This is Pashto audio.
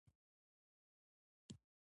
چیني درمل هم بازارونه نیولي دي.